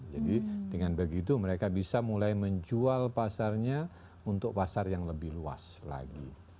jadi dengan begitu mereka bisa mulai menjual pasarnya untuk pasar yang lebih luas lagi